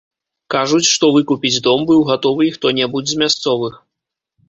Кажуць, што выкупіць дом быў гатовы і хто-небудзь з мясцовых.